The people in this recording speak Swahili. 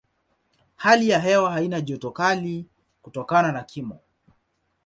Hali ya hewa haina joto kali kutokana na kimo.